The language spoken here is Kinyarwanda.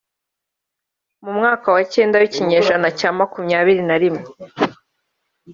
mu mwaka wa cyenda w'ikinyejana cya makumyabiri na rimwe!